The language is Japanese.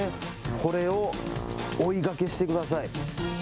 これを追いがけしてください。